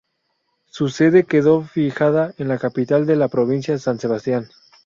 Su sede quedó fijada en la capital de la provincia, San Sebastián.